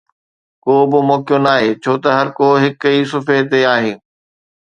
ڪو به موقعو ناهي ڇو ته هرڪو هڪ ئي صفحي تي آهي